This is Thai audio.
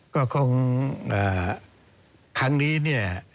ก็คงครั้งนี้เนี่ย